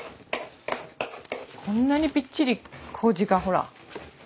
こんなにぴっちりこうじがほら。